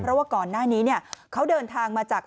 เพราะว่าก่อนหน้านี้เนี่ยเขาเดินทางมาจาก